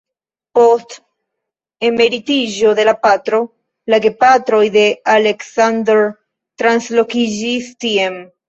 Post emeritiĝo de la patro, la gepatroj de Aleksandr translokiĝis tien.